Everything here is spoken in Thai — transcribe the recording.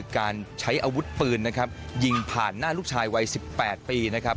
การใช้อาวุธปืนยิงผ่านหน้าลูกชาย๑๘ปี